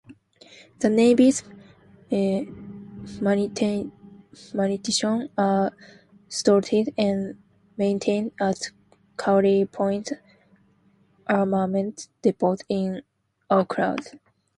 The Navy's munitions are stored and maintained at Kauri Point Armament Depot in Auckland.